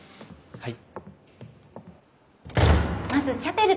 はい！